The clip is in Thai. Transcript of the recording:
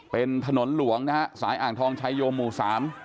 เป็นถนนหลวงนะฮะสายอ่างทองชายโยหมู่สาม